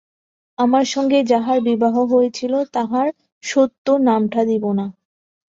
আমার সঙ্গে যাহার বিবাহ হইয়াছিল তাহার সত্য নামটা দিব না।